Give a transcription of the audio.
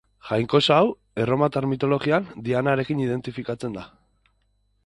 Jainkosa hau, erromatar mitologian, Dianarekin identifikatzen da.